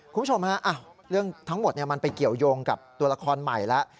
คุณผู้ชมฮะเรื่องทั้งหมดมันไปเกี่ยวยงกับตัวละครใหม่แล้ว